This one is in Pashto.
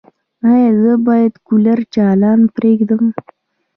ایا زه باید کولر چالانه پریږدم؟